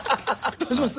どうします？